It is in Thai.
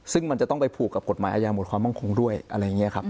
ซึ่งมันจะต้องไปผูกกับกฎหมายอาญาหมดความมั่งคงด้วยอะไรอย่างนี้ครับ